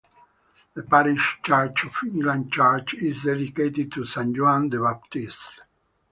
The parish Church of England church is dedicated to Saint John the Baptist.